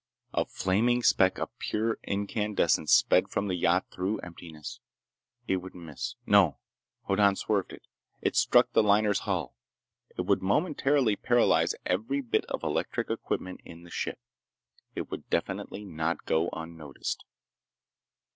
A flaming speck of pure incandescence sped from the yacht through emptiness. It would miss— No. Hoddan swerved it. It struck the liner's hull. It would momentarily paralyze every bit of electric equipment in the ship. It would definitely not go unnoticed.